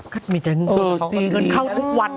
ก็มีเงินเข้าที